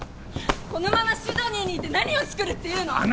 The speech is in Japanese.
このままシドニーに行って何をつくるっていうの？